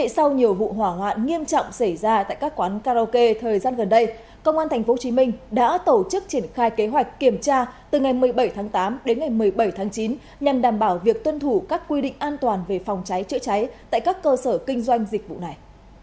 sau nhiều vụ hỏa hoạn nghiêm trọng xảy ra tại các quán karaoke thời gian gần đây công an tp hcm đã tổ chức triển khai kế hoạch kiểm tra từ ngày một mươi bảy tháng tám đến ngày một mươi bảy tháng chín nhằm đảm bảo việc tuân thủ các quy định an toàn về phòng cháy chữa cháy tại các cơ sở kinh doanh dịch vụ này